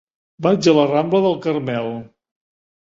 Vaig a la rambla del Carmel.